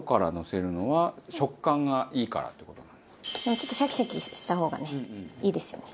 ちょっとシャキシャキした方がねいいですよね。